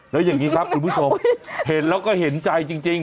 แล้วอย่างนี้ครับคุณผู้ชมเห็นแล้วก็เห็นใจจริง